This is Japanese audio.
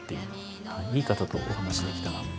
いい方とお話しできたなって。